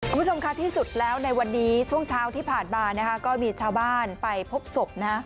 คุณผู้ชมค่ะที่สุดแล้วในวันนี้ช่วงเช้าที่ผ่านมานะคะก็มีชาวบ้านไปพบศพนะ